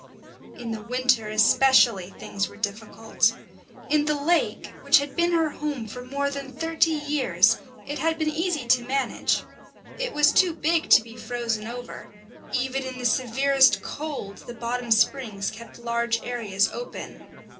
In the winter especially things were difficult. In the lake, which had been her home for more than thirty years, it had been easy to manage. It was too big to be frozen over; even in the severest cold the bottom springs kept large areas open.